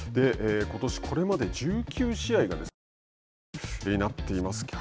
ことし、これまで１９試合が中止になっています。